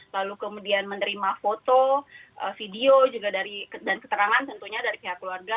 lalu kemudian menerima foto video juga dan keterangan tentunya dari pihak keluarga